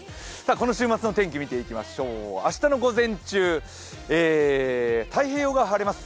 この週末の天気を見ていきましょう明日の午前中太平洋側、晴れます。